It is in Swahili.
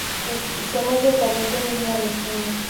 msemaji wa operesheni hiyo alisema